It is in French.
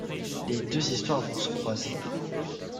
Les deux histoires vont se croiser.